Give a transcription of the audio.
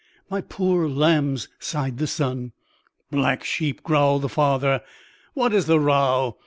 My poor lambs!" sighed the son. "Black sheep," growled the father; "what is the row?"